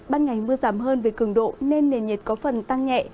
ban ngày mưa giảm hơn về cường độ nên nền nhiệt có phần tăng nhẹ